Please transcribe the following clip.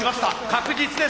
確実です。